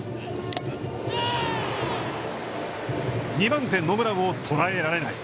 ２番手野村を捉えられない。